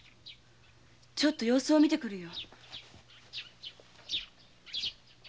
ちょっと様子を見てくるよ。